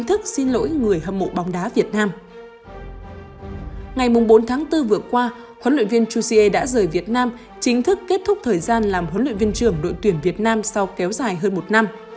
huấn luyện viên jussie đã rời việt nam chính thức kết thúc thời gian làm huấn luyện viên trưởng đội tuyển việt nam sau kéo dài hơn một năm